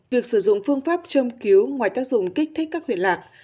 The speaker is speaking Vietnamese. việc sử dụng phương pháp châm cứu ngoài tác dụng kích thích các huyện lạc